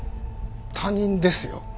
他人ですよ。